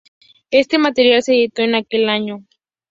Este material se editó en aquel año.